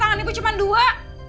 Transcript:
tangan ibu cuma dua